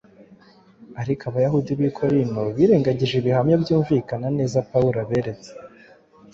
Ariko Abayahudi b’i Korinto birengagije ibihamya byumvikana neza Pawulo aberetse,